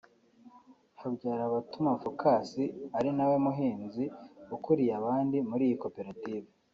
Habyarabatuma Phocas ari nawe muhinzi ukuriye abandi muri iyi koperative